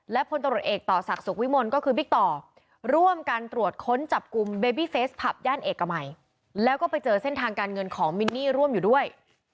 แล้วจะกลับไปเจอเส้นทางการเงินของมินนี่ร่วมอยู่ด้วย